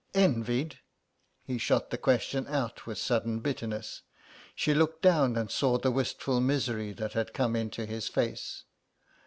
"Envied?" He shot the question out with sudden bitterness. She looked down and saw the wistful misery that had come into his face.